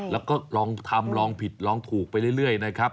แล้วก็ลองทำลองผิดลองถูกไปเรื่อยนะครับ